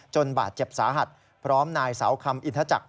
บาดเจ็บสาหัสพร้อมนายเสาคำอินทจักร